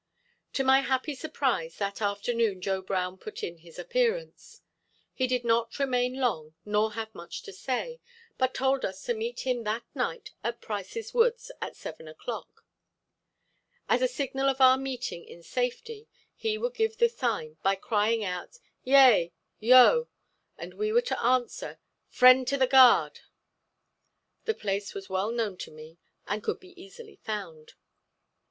To my happy surprise that afternoon Joe Brown put in his appearance. He did not remain long nor have much to say, but told us to meet him that night at Price's Woods at seven o'clock. As a signal of our meeting in safety he would give the sign by crying out, "yea! yo!" and we were to answer "Friend to the guard!" The place was well known to me and could be easily found.